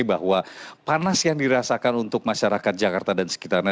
bahwa panas yang dirasakan untuk masyarakat jakarta dan sekitarnya